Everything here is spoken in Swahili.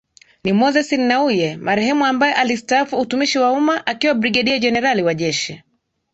ni Moses Nnauye marehemu ambaye alistaafu utumishi wa umma akiwa Brigedia Jenerali wa Jeshi